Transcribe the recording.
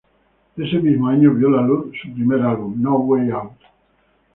Ese mismo año vio la luz su primer álbum "No Way Out".